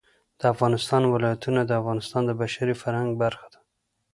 د افغانستان ولايتونه د افغانستان د بشري فرهنګ برخه ده.